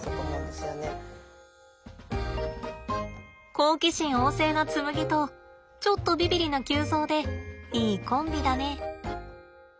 好奇心旺盛のつむぎとちょっとビビりな臼三でいいコンビだね。